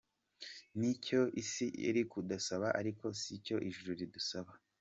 Ni icyo isi iri kudusaba ariko si cyo ijuru ridusaba.